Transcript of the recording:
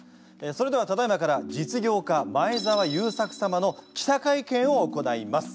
それではただいまから実業家前澤友作様の記者会見を行います。